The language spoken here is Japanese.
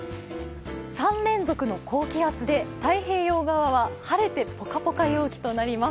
３連続の高気圧で太平洋側は晴れてぽかぽか陽気となります。